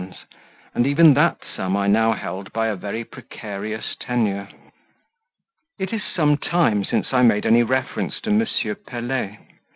and even that sum I now held by a very precarious tenure. It is some time since I made any reference to M. Pelet.